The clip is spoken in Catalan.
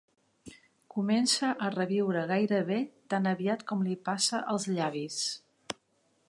Comença a reviure gairebé tan aviat com li passa els llavis.